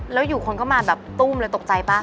แล้วอยู่คนก็มาแบบตู้มเลยตกใจป่ะ